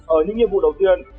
ở những nhiệm vụ đầu tiên